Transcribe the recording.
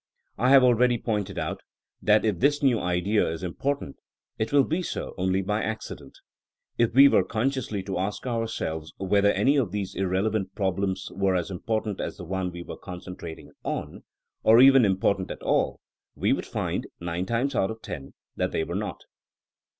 I have already pointed out that if this new idea is im portant it will be so only by accident. If we were consciously to ask ourselves whether any of these irrelevant problems were as important as the one we were concentrating on, or even important at all, we would find, nine times out of ten, that they were not.